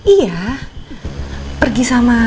iya pergi sama